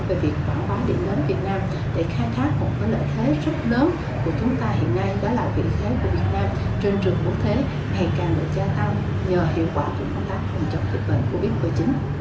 về việc quảng bá điểm đến việt nam để khai thác một lợi thế rất lớn của chúng ta hiện nay đó là vị thế của việt nam trên trường quốc tế ngày càng được gia tăng nhờ hiệu quả trong công tác phòng chống dịch bệnh covid một mươi chín